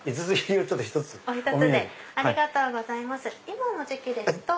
今の時期ですと。